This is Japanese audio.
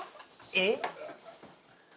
えっ？